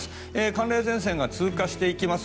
寒冷前線が通過していきます。